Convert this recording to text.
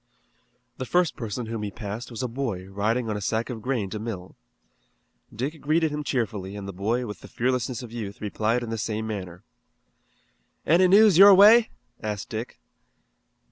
The first person whom he passed was a boy riding on a sack of grain to mill. Dick greeted him cheerfully and the boy with the fearlessness of youth replied in the same manner. "Any news your way?" asked Dick.